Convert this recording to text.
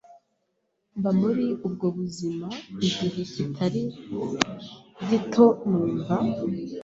mba muri ubwo buzima igihe kitari gito numva